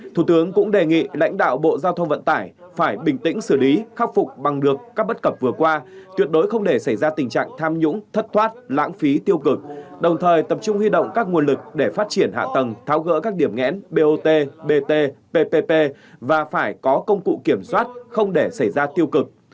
thủ tướng cũng đề nghị lãnh đạo bộ giao thông vận tải phải bình tĩnh xử lý khắc phục bằng được các bất cập vừa qua tuyệt đối không để xảy ra tình trạng tham nhũng thất thoát lãng phí tiêu cực đồng thời tập trung huy động các nguồn lực để phát triển hạ tầng tháo gỡ các điểm nghẽn bot bt ppp và phải có công cụ kiểm soát không để xảy ra tiêu cực